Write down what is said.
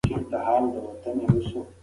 که موږ متحد سو نو هیواد مو ابادیږي.